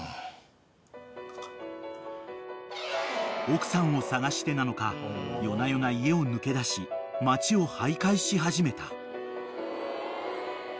［奥さんを探してなのか夜な夜な家を抜け出し街を徘徊し始めた］